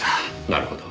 なるほど。